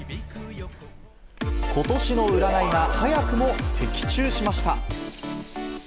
ことしの占いが早くも的中しました。